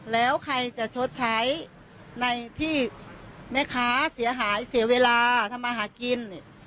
แล้วใครจะชดใช้ในที่แม่ค้าเสียหายเสียเวลาทำมาหากิน